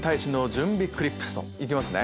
行きますね